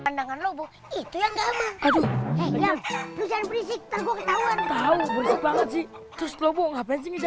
pandangan lobo itu yang ada